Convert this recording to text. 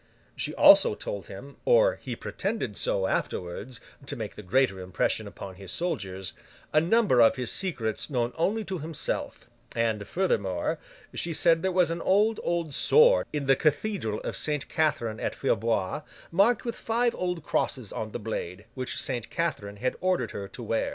She also told him (or he pretended so afterwards, to make the greater impression upon his soldiers) a number of his secrets known only to himself, and, furthermore, she said there was an old, old sword in the cathedral of Saint Catherine at Fierbois, marked with five old crosses on the blade, which Saint Catherine had ordered her to wear.